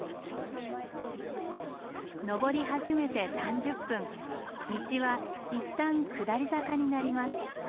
登り始めて３０分道は一旦下り坂になります。